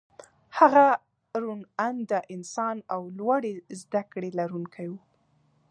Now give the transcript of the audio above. هغه روڼ انده انسان او لوړې زدکړې لرونکی و